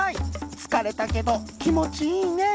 つかれたけどきもちいいね」。